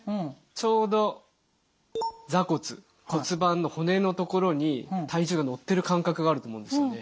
ちょうど座骨骨盤の骨の所に体重が乗ってる感覚があると思うんですよね。